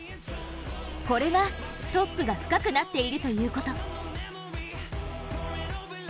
これが、トップが深くなっているということ。